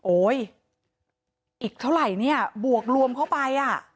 โอ๊ยอีกเท่าไหร่เนี่ยบวกรวมเข้าไปอ่ะ